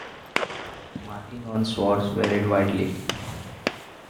Markings on swords varied widely.